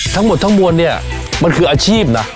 ทั้งหมดทั้งมวลเนี่ยมันคืออาชีพนะ